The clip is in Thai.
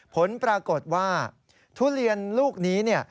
ผลปรากฏว่าทุเรียนลูกนี้